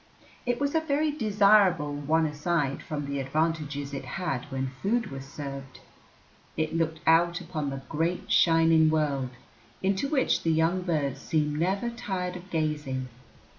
It was a very desirable one aside from the advantages it had when food was served; it looked out upon the great, shining world, into which the young birds seemed never tired of gazing.